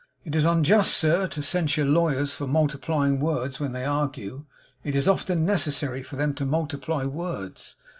It is unjust, Sir, to censure lawyers for multiplying words when they argue; it is often necessary for them to multiply words.'